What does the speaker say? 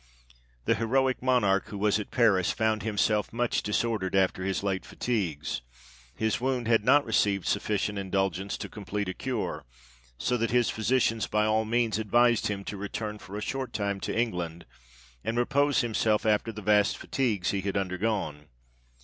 This heroic Monarch (who was at Paris) found himself much disordered after his late fatigues ; his wound had not received sufficient indulgence to complete a cure, so that his physicians by all means advised him to return for a short time to England, and repose himself after THE KING RETURNS TO ENGLAND. 61 the vast fatigues he had undergone.